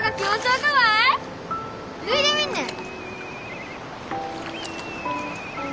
うん。